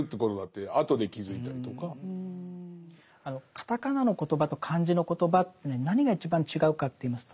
カタカナのコトバと漢字の言葉ってね何が一番違うかといいますとね